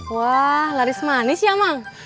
wah laris manis ya mang